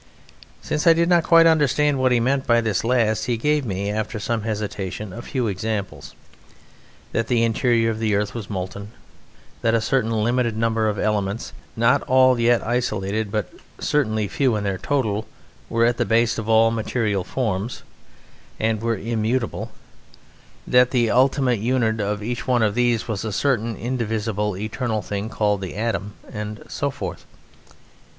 Since I did not quite understand what he meant by this last, he gave me, after some hesitation, a few examples: That the interior of the earth was molten; that a certain limited number of elements not all yet isolated, but certainly few in their total were at the base of all material forms, and were immutable; that the ultimate unit of each of these was a certain indivisible, eternal thing called the Atom; and so forth.